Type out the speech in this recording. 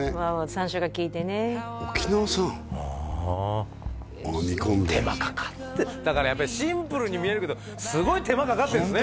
サンショウがきいてね沖縄産はあ手間かかってるだからやっぱシンプルに見えるけどすごい手間かかってるんですね